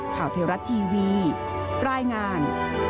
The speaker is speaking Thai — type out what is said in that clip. ข่าวเทวรัตน์ทร์ทีวีรายงาน